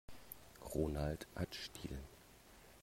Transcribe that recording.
Ronald hat Stil.